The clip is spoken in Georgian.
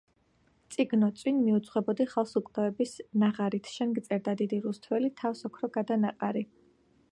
წიგნო წინ მიუძღვებოდი ხალს უკვდავების ნაღარით, შენ გწერდა დიდი რუსთველი თავსოქროგადანაყარი!